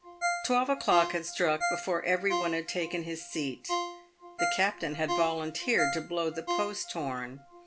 Twelve o'clock had struck before every one had taken his seat. The captain had volunteered to blow the post horn.